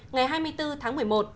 ngày hai mươi bốn tháng một mươi một